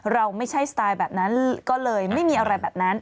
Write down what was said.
เราไม่ใช่สไตล์แบบนั้นก็เลยไม่มีอะไรแบบนั้น